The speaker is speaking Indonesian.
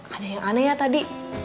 ada yang aneh ya tadi